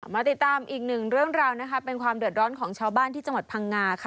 มาติดตามอีกหนึ่งเรื่องราวนะคะเป็นความเดือดร้อนของชาวบ้านที่จังหวัดพังงาค่ะ